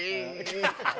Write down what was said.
ハハハハ！